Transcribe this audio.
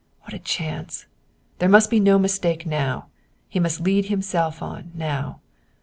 What a chance! There must be no mistake now! He must lead himself on, now.